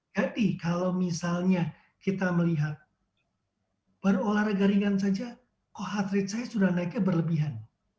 jadi kalau misalnya kita melihat baru olahraga ringan saja kok heart rate saya sudah naiknya berlebihan